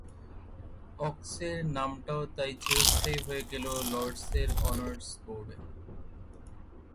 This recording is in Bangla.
ওকসের নামটাও তাই চিরস্থায়ী হয়ে গেল লর্ডসের অনার্স বোর্ডে।